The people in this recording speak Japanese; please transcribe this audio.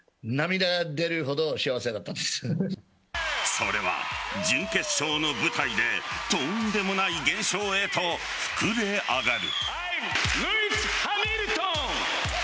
それは準決勝の舞台でとんでもない現象へと膨れ上がる。